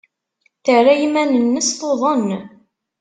Terra iman-nnes tuḍen.